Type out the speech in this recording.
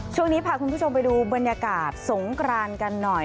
ช่วงนี้พาคุณผู้ชมไปดูบรรยากาศสงกรานกันหน่อย